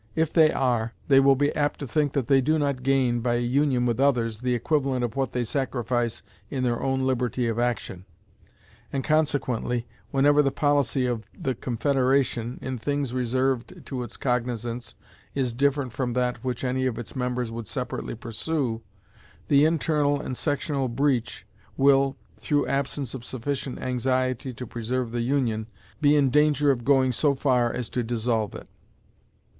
If they are, they will be apt to think that they do not gain, by union with others, the equivalent of what they sacrifice in their own liberty of action; and consequently, whenever the policy of the confederation, in things reserved to its cognizance, is different from that which any one of its members would separately pursue, the internal and sectional breach will, through absence of sufficient anxiety to preserve the Union, be in danger of going so far as to dissolve it.